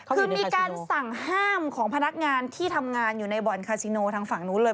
คือมีการสั่งห้ามของพนักงานที่ทำงานอยู่ในบ่อนคาซิโนทางฝั่งนู้นเลย